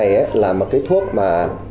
cái thuốc này là một cái thuốc mà